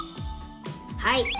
はい。